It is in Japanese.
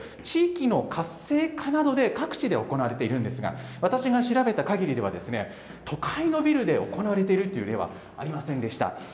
地域の活性化などで各地で行われているんですが、私が調べたかぎりでは、都会のビルで行われているという例はありませんでした。